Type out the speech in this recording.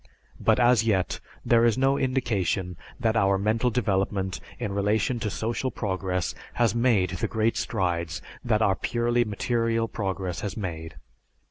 But, as yet, there is no indication that our mental development in relation to social progress has made the great strides that our purely material progress has made.